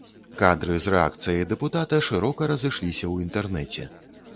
Кадры з рэакцыяй дэпутата шырока разышліся ў інтэрнэце.